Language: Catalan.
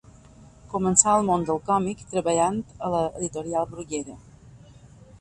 Començà al món del còmic treballant amb l'editorial Bruguera.